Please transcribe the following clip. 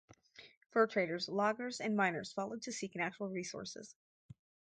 Fur traders, loggers and miners followed to seek natural resources.